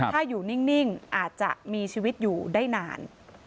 ถ้าอยู่นิ่งอาจจะมีชีวิตอยู่ได้นาน